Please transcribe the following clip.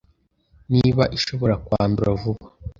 niba ishobora kwandura vuba